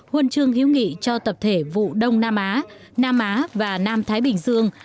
huân chương hữu nghị cho tập thể vụ đông nam á nam á và nam thái bình dương